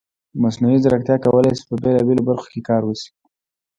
مصنوعي ځیرکتیا کولی شي په بېلابېلو برخو کې کار وشي.